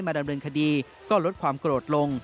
ดำเนินคดีก็ลดความโกรธลง